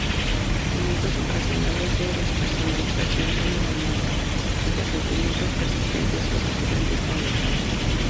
Momentos ocasionales de despersonalización son normales, mientras sentimientos persistentes o recurrentes no lo son.